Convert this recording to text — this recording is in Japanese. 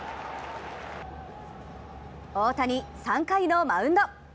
大谷、３回のマウンド。